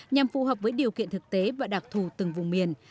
nhằm phù hợp với điều kiện thực tế và đặc thù từng vùng miền